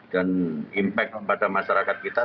dan impact pada masyarakat kita